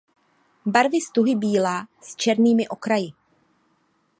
Barvy stuhy bílá s černými okraji.